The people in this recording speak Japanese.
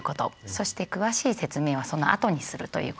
そして詳しい説明はそのあとにするということです。